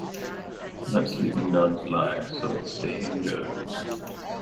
Let sleeping dogs lie, so the saying goes.